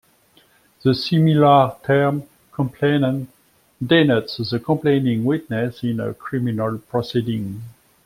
The similar term "complainant" denotes the complaining witness in a criminal proceeding.